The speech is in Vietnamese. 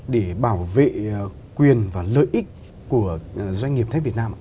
để bảo vệ quyền và lợi ích của doanh nghiệp thép việt nam ạ